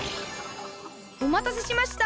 おまたせしました。